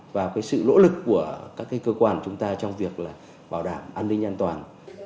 vào cái sự nỗ lực của các cái cơ quan chúng ta trong việc là bảo đảm an ninh an toàn